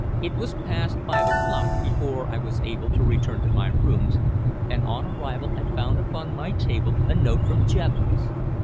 It was past five o'clock before I was able to return to my rooms, and on arrival I found upon my table a note from Jevons.